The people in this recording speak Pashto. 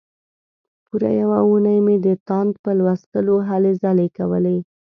پوره یوه اونۍ مې د تاند په لوستلو هلې ځلې کولې.